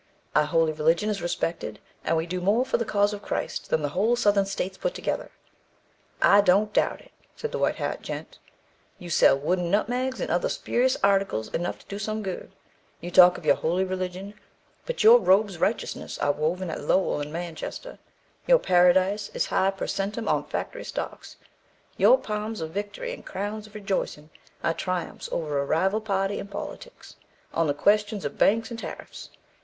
Our holy religion is respected, and we do more for the cause of Christ than the whole Southern States put together." "I don't doubt it," said the white hat gent. "You sell wooden nutmegs and other spurious articles enough to do some good. You talk of your 'holy religion'; but your robes' righteousness are woven at Lowell and Manchester; your paradise is high per centum on factory stocks; your palms of victory and crowns of rejoicing are triumphs over a rival party in politics, on the questions of banks and tariffs.